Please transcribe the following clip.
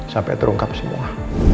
sampai terungkap semua